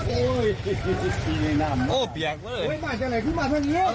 โอ้ยพ่อใหญ่